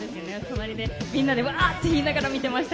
みんなでワーッといいながら見ていました。